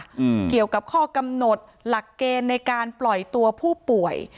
เกี่ยวกับข้อกำหนดหลักเกณฑ์ในการปล่อยตัวผู้ป่วย